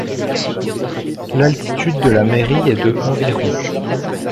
L'altitude de la mairie est de environ.